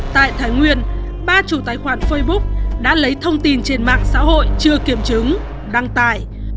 tại thái nguyên ba chủ tài khoản facebook đã lấy thông tin trên mạng xã hội chưa kiểm chứng đăng tải